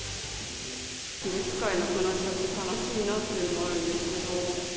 着る機会なくなっちゃって悲しいなっていうのもあるんですけど。